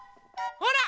ほら！